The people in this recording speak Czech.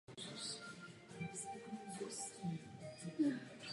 Paradox Interactive se snaží zajistit historickou přesnost hry.